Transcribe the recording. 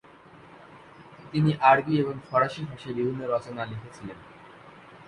তিনি আরবি এবং ফরাসি ভাষায় বিভিন্ন রচনা লিখেছিলেন।